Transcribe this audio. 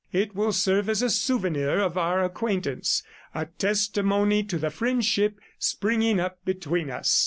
It will serve as a souvenir of our acquaintance, a testimony to the friendship springing up between us.